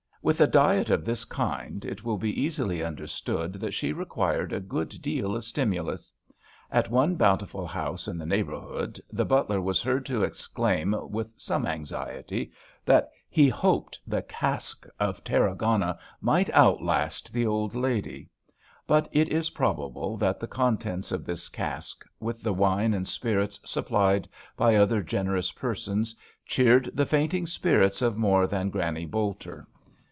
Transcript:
With a diet of this kind, it will be easily understood that she required a good deal of stimulus. At one bountiful house in the neighbourhood the butler was heard to exclaim, with some anxiety, that "he hoped the cask of Tarragona might outlast the old 4 r. • GRANNY BOLTER lady !" But it is probable that the contents of this cask, with the wine and spirits supplied by other generous persons, cheered the fainting spirits of more than Granny Bolter.